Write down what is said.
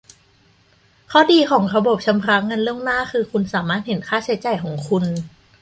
ข้อดีของระบบชำระเงินล่วงหน้าคือคุณสามารถเห็นค่าใช้จ่ายของคุณ